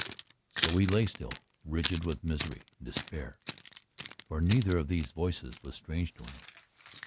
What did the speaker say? So he lay still, rigid with misery and despair. For neither of these voices was strange to him.